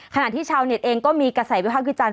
ขณะที่ชาวเน็ตเองก็มีกระแสวิภาควิจารณ